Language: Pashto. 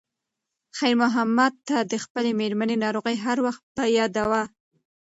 خیر محمد ته د خپلې مېرمنې ناروغي هر وخت په یاد وه.